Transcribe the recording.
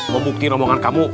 mau bukti rombongan kamu